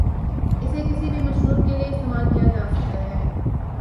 اسے کسی بھی مشروب کے لئے استعمال کیا جاسکتا ہے ۔